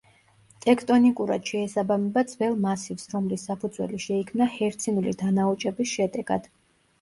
ტექტონიკურად შეესაბამება ძველ მასივს, რომლის საფუძველი შეიქმნა ჰერცინული დანაოჭების შედეგად.